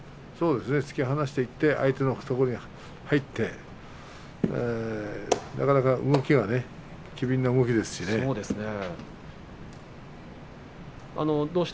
突き放した相手の懐に入ってなかなか動きが機敏な動きですし。